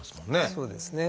そうですね。